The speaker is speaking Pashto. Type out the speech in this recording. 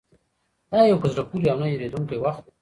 دا یو په زړه پورې او نه هېرېدونکی وخت و.